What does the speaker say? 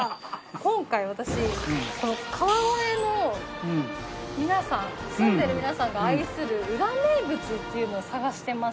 今回私この川越の皆さん住んでる皆さんが愛する裏名物というのを探してまして。